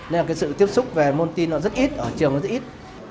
nên là cái sự tiếp xúc về môn tin nó rất ít ở trường nó rất ít